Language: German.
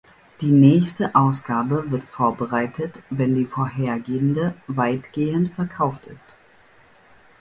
Die nächste Ausgabe wird vorbereitet, wenn die vorhergehende weitgehend verkauft ist.